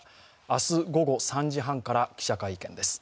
明日、午後３時半から記者会見です。